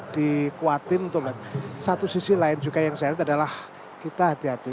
dikuatin untuk satu sisi lain juga yang saya lihat adalah kita hati hati